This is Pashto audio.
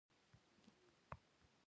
دی مو د پله بل اړخ ته لاندې را کش کړ.